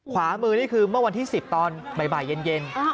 ขวามือนี่คือเมื่อวันที่๑๐ตอนบ่ายเย็น